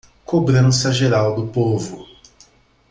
Cobrança geral do povo